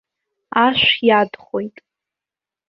Ашә иадхоит.